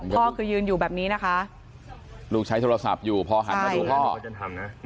พ่อคือยืนอยู่แบบนี้นะคะลูกใช้โทรศัพท์อยู่พอหันมาดูพ่อจนทำนะ